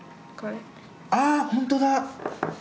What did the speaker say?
あほんとだ。